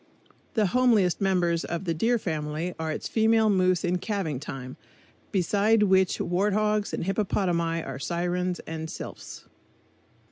The homeliest members of the Deer Family are its female moose in calving time, beside which warthogs and hippopotami are sirens and sylphs.